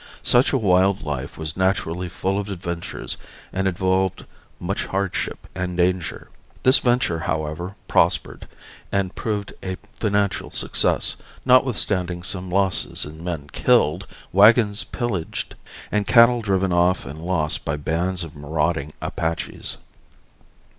Such a wild life was naturally full of adventures and involved much hardship and danger. The venture, however, prospered and proved a financial success, notwithstanding some losses in men killed, wagons pillaged and cattle driven off and lost by bands of marauding Apaches.